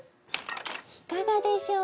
いかがでしょう？